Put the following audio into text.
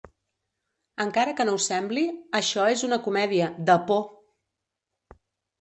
Encara que no ho sembli, això és una comèdia... de por!